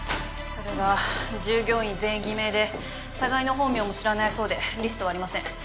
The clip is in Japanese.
それが従業員全員偽名で互いの本名も知らないそうでリストはありません。